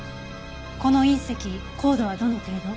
この隕石硬度はどの程度？